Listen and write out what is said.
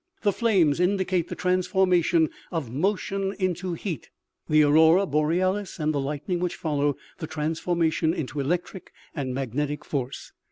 The flames indicate the transformation of motion into heat ; the aurora boreal is and the lightning which follow, the transformation into electric and magnetic force.